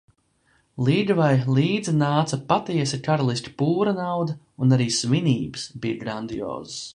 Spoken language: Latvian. Līgavai līdzi nāca patiesi karaliska pūra nauda, un arī svinības bija grandiozas.